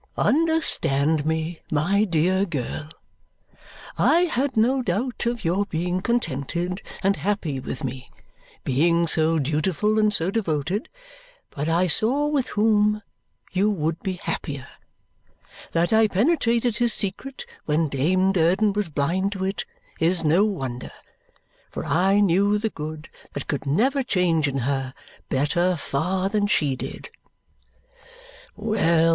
"Understand me, my dear girl. I had no doubt of your being contented and happy with me, being so dutiful and so devoted; but I saw with whom you would be happier. That I penetrated his secret when Dame Durden was blind to it is no wonder, for I knew the good that could never change in her better far than she did. Well!